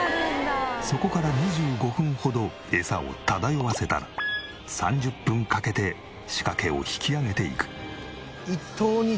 そこから２５分ほど餌を漂わせたら３０分かけて仕掛けを引きあげていく。